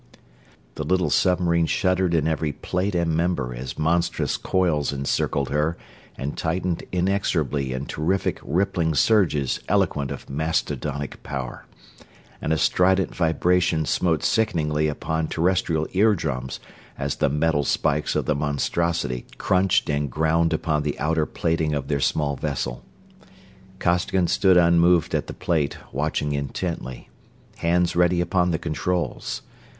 The little submarine shuddered in every plate and member as monstrous coils encircled her and tightened inexorably in terrific, rippling surges eloquent of mastodonic power; and a strident vibration smote sickeningly upon Terrestrial eardrums as the metal spikes of the monstrosity crunched and ground upon the outer plating of their small vessel. Costigan stood unmoved at the plate, watching intently; hands ready upon the controls.